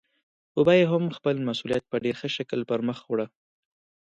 خو بيا يې هم خپل مسئوليت په ډېر ښه شکل پرمخ وړه.